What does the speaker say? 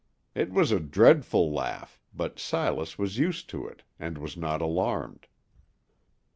It was a dreadful laugh, but Silas was used to it, and was not alarmed.